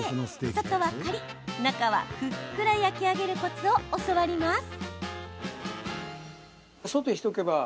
外はカリッ、中はふっくら焼き上げるコツを教わります。